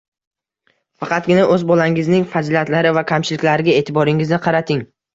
Faqatgina o‘z bolangizning fazilatlari va kamchiliklariga e’tiboringizni qarating.